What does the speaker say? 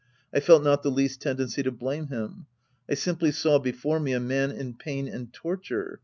I felt not the least tendency to blame him. I simply saw before me a man in pain and torture.